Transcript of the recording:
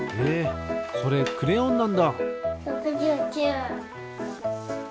えっそれクレヨンなんだ！